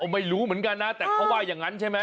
ไม่รู้เหมือนกันนะแต่เขาว่าอย่างนั้นใช่ไหม